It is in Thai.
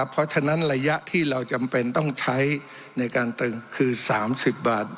เพราะฉะนั้นระยะที่เราจำเป็นต้องใช้ในการตึงคือ๓๐บาท